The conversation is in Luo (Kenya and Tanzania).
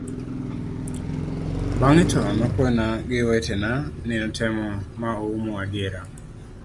bang'e to nokona gi owetena ni notemo ma oumo adiera